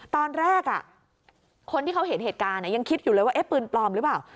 ตอนแรกคนที่เขาเห็นเหตุการณ์ยังคิดอยู่เลยว่าปืนปลอมหรือเปล่า